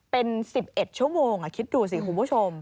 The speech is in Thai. เป็น๑๑ชั่วโมงคิดดูสิคุณผู้ชม